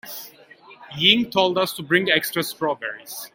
Ying told us to bring extra strawberries.